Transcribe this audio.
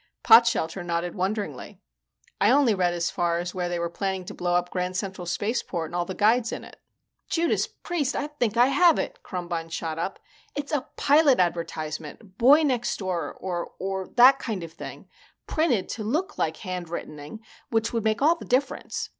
Potshelter nodded wonderingly. "I only read as far as where they were planning to blow up Grand Central Spaceport and all the guides in it." "Judas Priest, I think I have it!" Krumbine shot up. "It's a pilot advertisement Boy Next Door or that kind of thing printed to look like hand writtening, which would make all the difference.